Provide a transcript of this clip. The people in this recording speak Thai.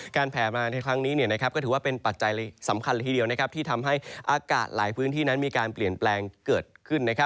แผลมาในครั้งนี้ก็ถือว่าเป็นปัจจัยสำคัญเลยทีเดียวที่ทำให้อากาศหลายพื้นที่นั้นมีการเปลี่ยนแปลงเกิดขึ้น